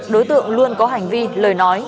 đối tượng luôn có hành vi lời nói